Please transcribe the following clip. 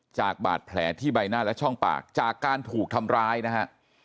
จากบาดแผลที่ใบหน้าและช่องปากจากการถูกทำร้ายนะฮะ